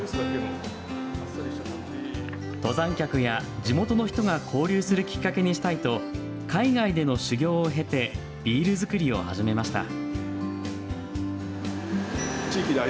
登山客や地元の人が交流するきっかけにしたいと海外での修業を経てビール造りを始めました。